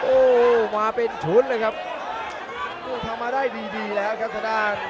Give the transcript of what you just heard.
โอ้โหเมาเป็นชุดเลยครับว้าโหทำมาได้ดีแล้วครับสดาน